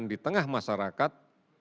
penularan di tengah masyarakat